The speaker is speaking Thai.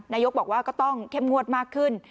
นายกบอกว่าก็ต้องเข้มงวดมากขึ้น